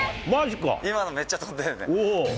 今のめっちゃ飛んだよね。